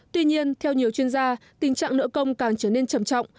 tuy nhiên theo nhiều chuyên gia tình trạng nợ công càng trở nên trầm trọng